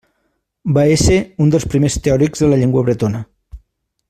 Va ésser un dels primers teòrics de la llengua bretona.